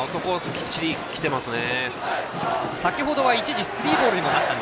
きっちりきてますね。